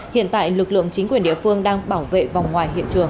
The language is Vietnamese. hiện tại lực lượng chính quyền địa phương đang bảo vệ vòng ngoài hiện trường